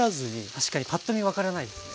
確かにパッと見分からないですね。